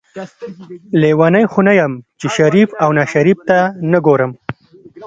لیونۍ خو نه یم چې شریف او ناشریف ته نه ګورم.